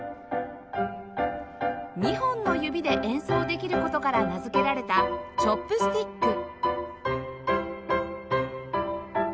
２本の指で演奏できる事から名付けられた『チョップスティック』